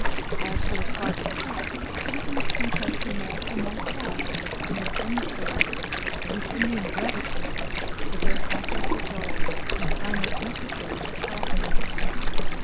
As for the tribe itself, it had been content to announce to Montcalm, through his emissaries, with Indian brevity, that their hatchets were dull, and time was necessary to sharpen them.